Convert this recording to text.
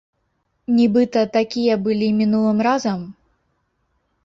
Нібыта такія былі мінулым разам?